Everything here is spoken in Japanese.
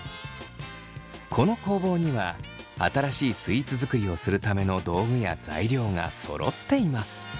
この工房には新しいスイーツ作りをするための道具や材料がそろっています。